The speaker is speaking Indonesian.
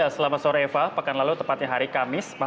selamat sore eva pekan lalu tepatnya hari kamis